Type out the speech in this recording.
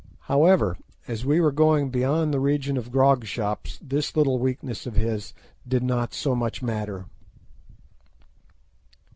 However, as we were going beyond the region of grog shops this little weakness of his did not so much matter.